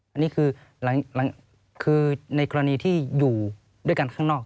อันนี้คือในกรณีที่อยู่ด้วยกันข้างนอก